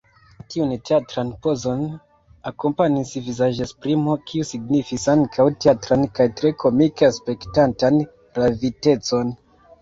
Tiun teatran pozon akompanis vizaĝesprimo, kiu signifis ankaŭ teatran kaj tre komike aspektantan ravitecon.